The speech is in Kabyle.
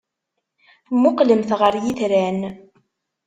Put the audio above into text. Mmuqqlemt ɣer yitran.